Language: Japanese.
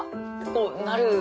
となる。